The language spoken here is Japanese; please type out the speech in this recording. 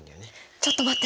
ちょっと待って！